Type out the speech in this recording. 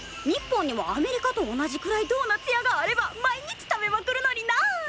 日本にもアメリカと同じくらいドーナツ屋があれば毎日食べまくるのになあ！